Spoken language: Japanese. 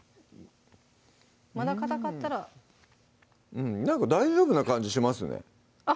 まだかたかったらうんなんか大丈夫な感じしますねあっ